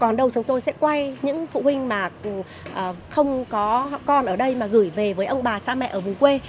còn đâu chúng tôi sẽ quay những phụ huynh mà không có con ở đây mà gửi về với ông bà cha mẹ ở vùng quê